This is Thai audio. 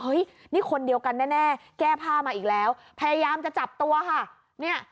นี่คนเดียวกันแน่แก้ผ้ามาอีกแล้วพยายามจะจับตัวค่ะเนี่ย